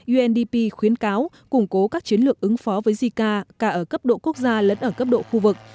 undp khuyến cáo củng cố các chiến lược ứng phó với zika cả ở cấp độ quốc gia lẫn ở cấp độ khu vực